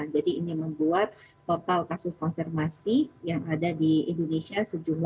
jadi ini membuat total kasus konfirmasi yang ada di indonesia seribu tujuh ratus tiga puluh enam